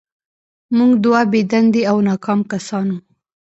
موږ دوه بې دندې او ناکام کسان وو